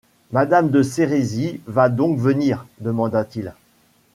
Madame de Sérisy va donc venir? demanda-t-il.